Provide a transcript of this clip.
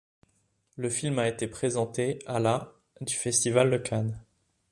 Le film a été présenté à la du festival de Cannes.